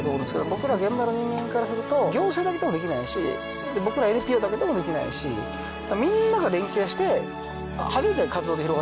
僕ら現場の人間からすると業者だけでもできないし僕らＮＰＯだけでもできないしみんなが連携して初めて活動って広がってくんで。